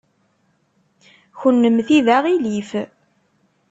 Kennemti d aɣilif.